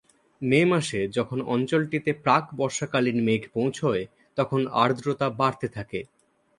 মে মাসে যখন অঞ্চলটিতে প্রাক-বর্ষাকালীন মেঘ পৌঁছায়, তখন আর্দ্রতা বাড়তে থাকে।